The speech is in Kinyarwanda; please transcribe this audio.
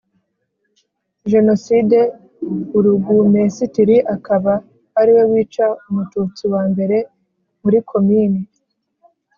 Jenoside burugumesitiri akaba ariwe wica umututsi wa mbere muri Komini